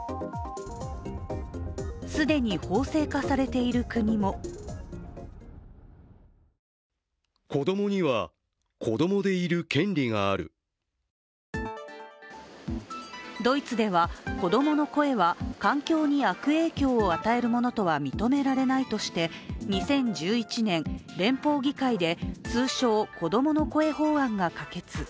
既に法制化されている国もドイツでは、子供の声は環境に悪影響を与えるものとは認められないとして２０１１年、連邦議会で通称・子どもの声法案が可決。